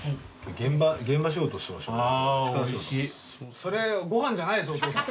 それご飯じゃないですお父さん。